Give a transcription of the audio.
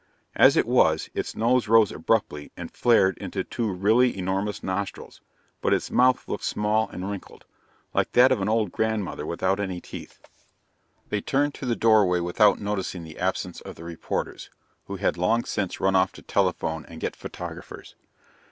As it was, its nose rose abruptly and flared into two really enormous nostrils, but its mouth looked small and wrinkled, like that of an old grandmother without any teeth. They turned to the doorway without noticing the absence of the reporters, who had long since run off to telephone and get photographers.